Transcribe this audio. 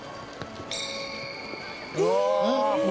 うわ！